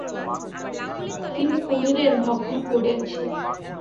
তিনি কহিলেন, ভক্ষণ করিয়াছি।